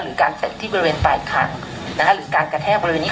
หรือการเตะที่บริเวณปลายขังหรือการกระแทกบริเวณนี้